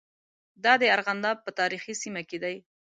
دا د ارغنداب په تاریخي سیمه کې دي.